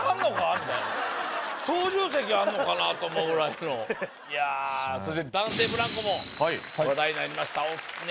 みたいな操縦席があるのかなと思うぐらいのいやそして男性ブランコもはい話題になりましたね